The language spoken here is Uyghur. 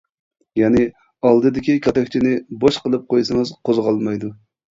يەنى ئالدىدىكى كاتەكچىنى بوش قىلىپ قويسىڭىز قوزغالمايدۇ.